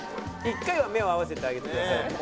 １回は目を合わせてあげてくださいね。